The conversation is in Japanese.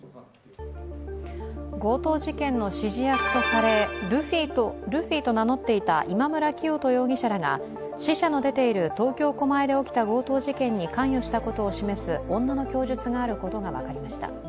強盗事件の指示役とされ、ルフィと名乗っていた今村磨人容疑者らが死者の出ている東京・狛江で起きた強盗事件に関与したことを示す女の供述があることが分かりました。